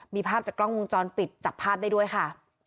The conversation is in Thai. มีภาพจากกล้องวงจรปิดจับภาพได้ด้วยค่ะ